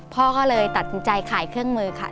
พ่อก็เลยตัดสินใจขายเครื่องมือค่ะ